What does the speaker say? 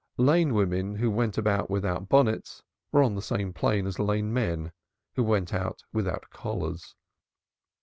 Lane women who went out without bonnets were on the same plane as Lane men who went out without collars.